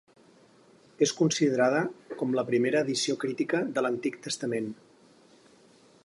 És considerada com la primera edició crítica de l'Antic Testament.